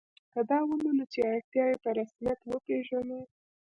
که دا ومنو چې اړتیاوې په رسمیت وپېژنو.